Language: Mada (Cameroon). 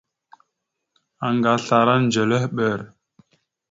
Anga aslara ndzœlœhɓer.